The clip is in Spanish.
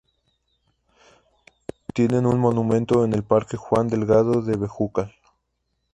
Tiene un monumento en el Parque Juan Delgado de Bejucal.